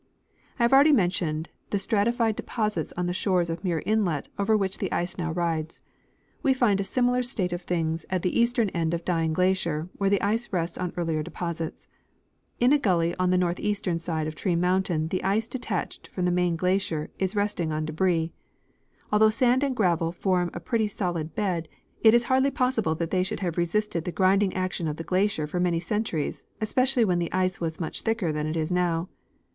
I have already mentioned the stratified deposits on the shores of Muir inlet over which the ice now rides. We find a similar state of things at the eastern end of Dying glacier, where the ice rests on earlier deposits. In a gully on the northeastern side of Tree mountain the ice detached from the main glacier is rest ing on debris. Although sand and gravel form a j^retty solid l)ed, it is hardly possible that they should have resisted the grinding action of the glacier for many centuries, especially when the ice was much thicker than it is now.